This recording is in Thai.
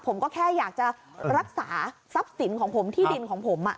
ผมก็แค่อยากจะรักษาทรัพย์สินของผมที่ดินของผม